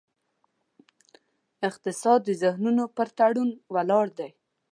اقتصاد د ذهنونو پر تړون ولاړ دی.